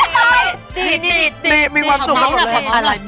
เฮ้ยผู้ชาย